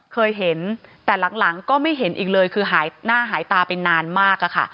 เคยเห็นแต่หลังก็ไม่เห็นอีกเลยคือหายหน้าหายตาไปนานมากอะค่ะ